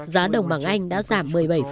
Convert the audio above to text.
giá đồng bảng anh đã giảm một mươi bảy